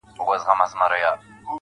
لمرمخی یار چي عادت نه لري د شپې نه راځي~